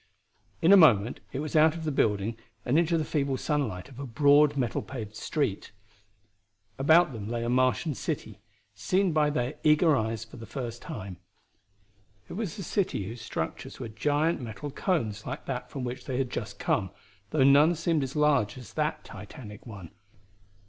In a moment it was out of the building and into the feeble sunlight of a broad metal paved street. About them lay a Martian city, seen by their eager eyes for the first time. It was a city whose structures were giant metal cones like that from which they had just come, though none seemed as large as that titanic one.